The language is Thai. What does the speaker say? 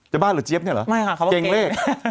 จะบ้าหรือเจี๊ยบเนี่ยเหรอไม่ค่ะเขาว่าเกรงเลขเกรงเลข